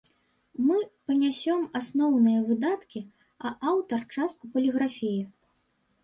Мы панясём асноўныя выдаткі, а аўтар частку паліграфіі.